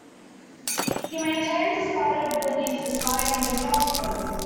He maintains his spider abilities despite being a skeleton.